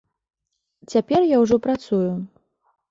Цяпер я ўжо працую.